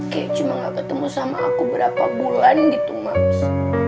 kayak cuma gak ketemu sama aku berapa bulan di thomas